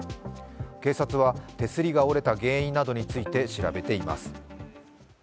警察は、手すりが折れた原因などについて調べています。